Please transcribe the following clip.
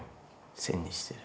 線にしてる。